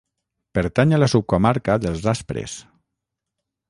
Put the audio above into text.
Pertany a la subcomarca dels Aspres.